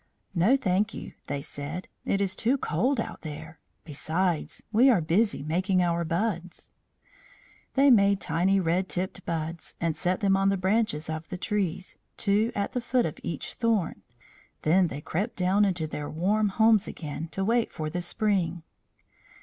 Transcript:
"No, thank you," they said. "It is too cold out there. Besides, we are busy making our buds." They made tiny red tipped buds and set them on the branches of the trees, two at the foot of each thorn. Then they crept down into their warm homes again to wait for the spring.